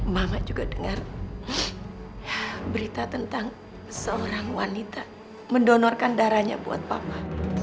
mama juga dengar berita tentang seorang wanita mendonorkan darahnya buat mama